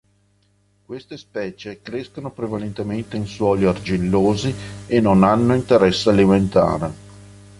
Queste specie crescono prevalentemente in suoli argillosi e non hanno interesse alimentare.